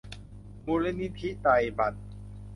มูลนิธิไตรบรรพ